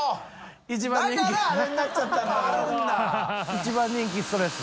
一番人気ストレス。